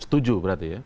setuju berarti ya